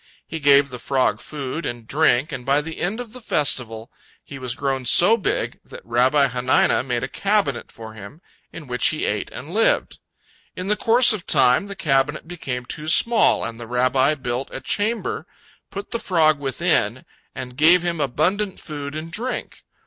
He gave the frog food and drink, and by the end of the festival he was grown so big that Rabbi Hanina made a cabinet for him, in which he ate and lived. In the course of time, the cabinet became too small, and the Rabbi built a chamber, put the frog within, and gave him abundant food and drink.